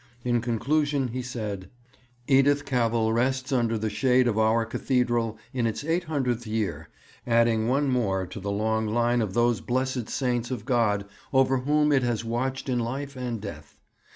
In conclusion he said: 'Edith Cavell rests under the shade of our cathedral in its eight hundredth year, adding one more to the long line of those blessed saints of God over whom it has watched in life and death.